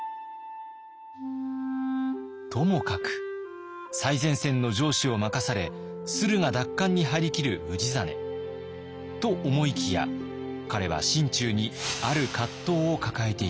ともかく最前線の城主を任され駿河奪還に張り切る氏真。と思いきや彼は心中にある藤を抱えていたようです。